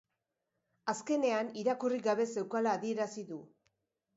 Azkenean irakurri gabe zeukala adierazi du